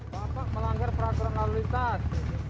bapak melanggar peraturan lalu lintas